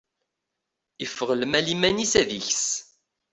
Iffeɣ lmal iman-is ad ikes.